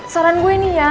saran gue nih ya